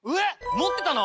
持ってたの？